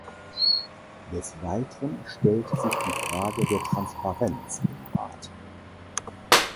Des Weiteren stellt sich die Frage der Transparenz im Rat.